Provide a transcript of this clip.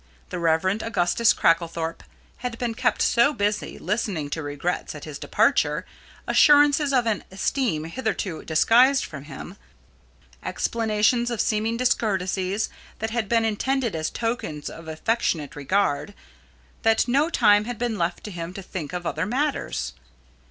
The Rev. Augustus Cracklethorpe had been kept so busy listening to regrets at his departure, assurances of an esteem hitherto disguised from him, explanations of seeming discourtesies that had been intended as tokens of affectionate regard, that no time had been left to him to think of other matters.